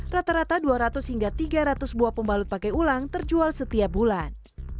rata rata dua ratus hingga tiga ratus buah pembalut pakai ulang terjual setiap bulan